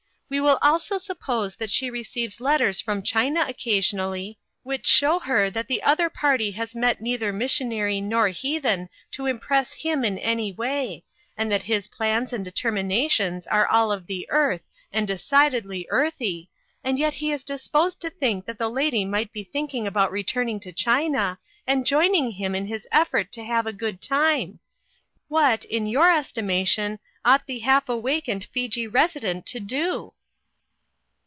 We will also suppose that she receives letters from China occasionally, which show her that the other party has met neither missionary nor heathen to impress him in any way, and that his plans and determina tions are all of the earth and decidedly earthy, and yet that he is disposed to think that the lady ought to be thinking about re 336 INTERRUPTED. turning to China, and joining him in his ef fort to have a good time. What, in your estimation, ought the half awakened Fiji resi dent to do?"